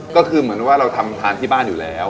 ก็คือเหมือนว่าเราทำทานที่บ้านอยู่แล้ว